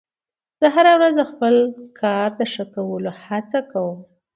زه هره ورځ د خپل کار د ښه کولو هڅه کوم